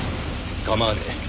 構わねえ。